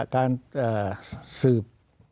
การสืบ